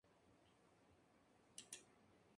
Puestos a imprimirse, han optado por lo más difícil.